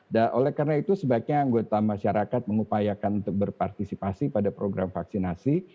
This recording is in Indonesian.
dan oleh karena itu sebaiknya anggota masyarakat mengupayakan untuk berpartisipasi pada program vaksinasi